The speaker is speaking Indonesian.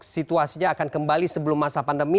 situasinya akan kembali sebelum masa pandemi